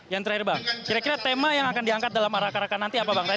yang terakhir bang kira kira tema yang akan diangkat dalam arah arakan nanti apa bang ray